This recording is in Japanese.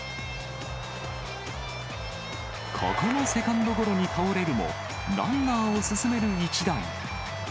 ここもセカンドゴロに倒れるも、ランナーを進める一打に。